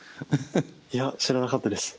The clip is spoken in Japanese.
いや知らなかったです。